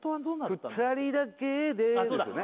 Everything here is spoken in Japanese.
「二人だけで」ですよね